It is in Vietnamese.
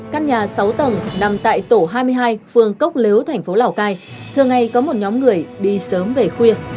căn nhà sáu tầng nằm tại tổ hai mươi hai phương cốc lếu tp lào cai thường ngày có một nhóm người đi sớm về khuya